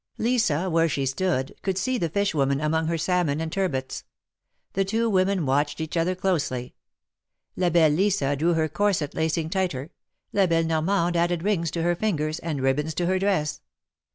Lisa, where she stood, could see the fish woman among her salmon and turbots. The two women watched each 100 THE MARKETS OF PARIS. other closely ; la belle Lisa drew her corset lacing tighter, la belle Normande added rings to her fingers and ribbons to her dress.